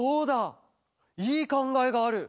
いいかんがえがある！